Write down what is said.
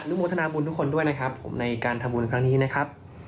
โมทนาบุญทุกคนด้วยนะครับผมในการทำบุญครั้งนี้นะครับ